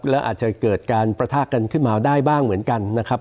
แล้วอาจจะเกิดการประทะกันขึ้นมาได้บ้างเหมือนกันนะครับ